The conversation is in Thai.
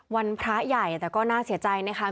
วันพระใหญ่แต่ก็น่าเศียร์ใจนะครับ